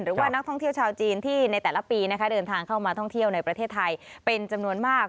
หรือว่านักท่องเที่ยวชาวจีนที่ในแต่ละปีนะคะเดินทางเข้ามาท่องเที่ยวในประเทศไทยเป็นจำนวนมาก